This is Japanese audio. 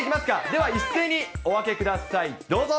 では一斉におあけください、どうぞ。